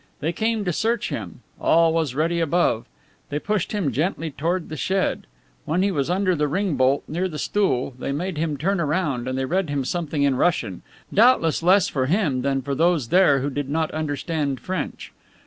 They came to search him. All was ready above. They pushed him gently towards the shed. When he was under the ring bolt, near the stool, they made him turn round and they read him something in Russian, doubtless less for him than for those there who did not understand French.